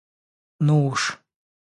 Ну уж!